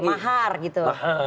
oke mahar gitu